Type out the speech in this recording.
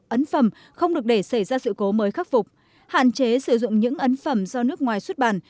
ấn phẩm không được để xảy ra sự cố mới khắc phục hạn chế sử dụng những ấn phẩm do nước ngoài xuất bản